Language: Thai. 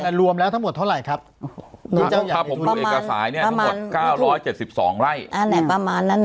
แต่รวมแล้วทั้งหมดเท่าไรครับถ้าผมดูเอกสายเนี้ยประมาณเมื่อทุกแปลงประมาณนั้นเนี้ย